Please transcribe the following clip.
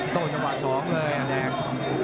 โตเฉพาะสองเลยอ่ะแดง